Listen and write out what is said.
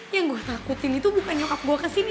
yang gue takutin itu bukan nyokap gue kesini